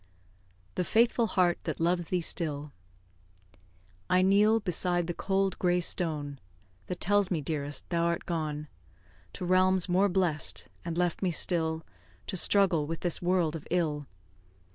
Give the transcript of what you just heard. THE FAITHFUL HEART THAT LOVES THEE STILL I kneel beside the cold grey stone That tells me, dearest, thou art gone To realms more bless'd and left me still To struggle with this world of ill.